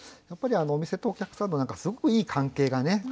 やっぱりお店とお客さんのすごくいい関係がね